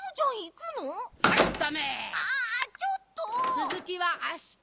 つづきはあした。